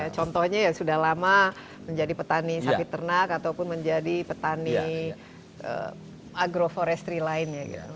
contohnya sudah lama menjadi petani sapi ternak ataupun menjadi petani agroforestry lainnya